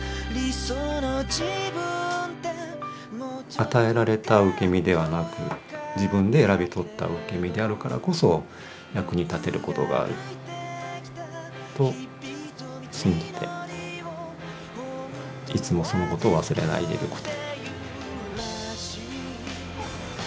与えられた受け身ではなく自分で選び取った受け身であるからこそ役に立てることがあると信じていつもそのことを忘れないでいること。